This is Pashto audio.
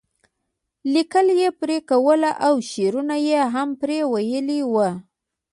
لیکل یې پرې کولی او شعرونه یې هم پرې ویلي وو.